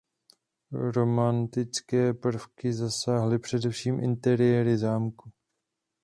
Romantické prvky zasáhly především interiéry zámku.